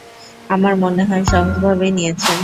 আমার মনে হয় সহজভাবেই নিয়েছেন।